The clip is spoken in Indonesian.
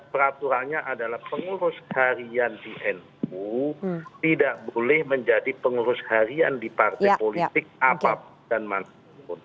peraturannya adalah pengurus harian di nu tidak boleh menjadi pengurus harian di partai politik apapun dan manapun